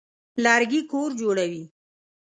لرګي کور جوړوي.